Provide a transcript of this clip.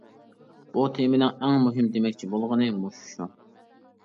بۇ تېمىنىڭ ئەڭ مۇھىم دېمەكچى بولغىنى مۇشۇ شۇ.